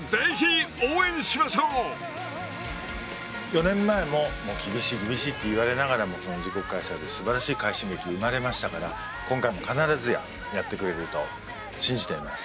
４年前も厳しい厳しいって言われながらも自国開催ですばらしい快進撃生まれましたから今回も必ずややってくれると信じています。